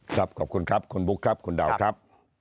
ขอบคุณครับคุณบุ๊คครับคุณดาวครับ